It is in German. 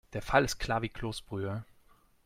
Der Fall ist klar wie Kloßbrühe.